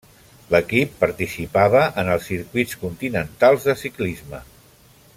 L'equip participava en els Circuits continentals de ciclisme.